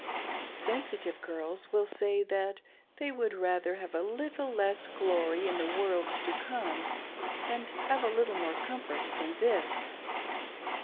Sensitive girls will say that they would rather have a little less glory in the world to come and have a little more comfort in this.